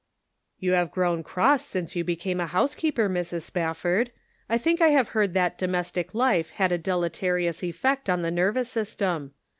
" You have grown cross since you became a housekeeper, Mrs. Spafford. I think I have heard that domestic life had a deleterious effect on the nervous system.